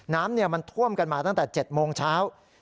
น้ำมันท่วมกันมาตั้งแต่๗โมงเช้า